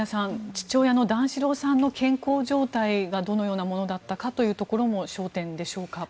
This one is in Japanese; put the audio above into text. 父親の段四郎さんの健康状態がどのようなものだったかというところも焦点でしょうか。